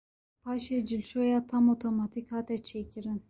Paşê cilşoya tam otomatik hate çêkirin.